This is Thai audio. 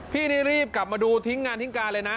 พี่นี่รีบกลับมาดูทิ้งงานทิ้งการเลยนะ